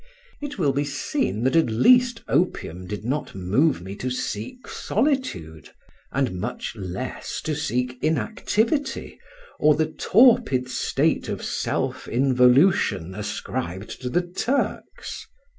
It will be seen that at least opium did not move me to seek solitude, and much less to seek inactivity, or the torpid state of self involution ascribed to the Turks.